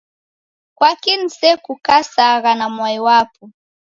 Kwaki nisekukasagha na mwai wapo?